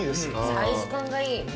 サイズ感がいい。